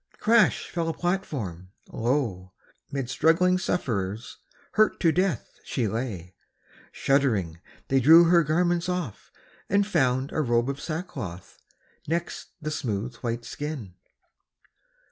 crash fell a platform! Lo, Mid struggling sufferers, hurt to death, she lay! Shuddering, they drew her garments off and found A robe of sackcloth next the smooth, white skin.